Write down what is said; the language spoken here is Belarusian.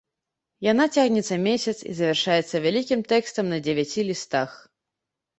Яна цягнецца месяц і завяршаецца вялікім тэкстам на дзевяці лістах.